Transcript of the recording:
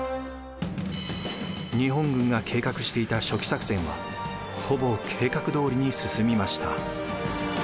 日本軍が計画していた初期作戦はほぼ計画どおりに進みました。